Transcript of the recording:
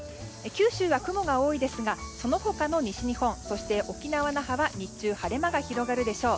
九州は雲が多いですがその他の西日本そして沖縄の那覇は日中は晴れ間が広がるでしょう。